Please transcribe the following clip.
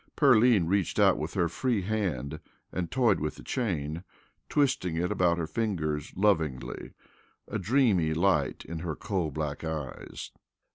Pearline reached out with her free hand and toyed with the chain, twisting it about her fingers lovingly, a dreamy light in her coal black eyes.